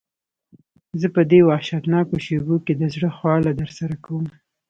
زه په دې وحشتناکو شېبو کې د زړه خواله درسره کوم.